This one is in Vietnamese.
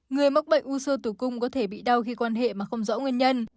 người mắc bệnh u sơ tử cung có thể bị đau khi quan hệ mà không rõ nguyên nhân